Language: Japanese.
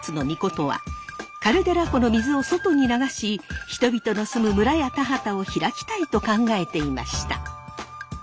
命はカルデラ湖の水を外に流し人々の住む村や田畑を開きたいと考えていました。